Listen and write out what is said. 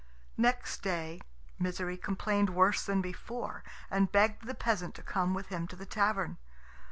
Next day Misery complained worse than before, and begged the peasant to come with him to the tavern.